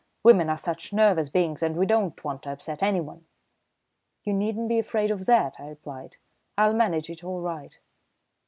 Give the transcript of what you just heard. Women are such nervous beings and we don't want to upset anyone." "You needn't be afraid of that," I replied, "I'll manage it all right."